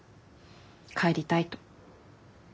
「帰りたい」と。